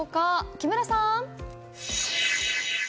木村さん！